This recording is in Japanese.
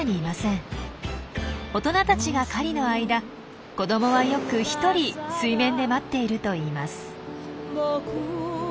大人たちが狩りの間子どもはよくひとり水面で待っているといいます。